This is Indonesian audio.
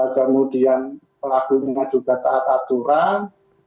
kemudian pelakunya juga taat aturan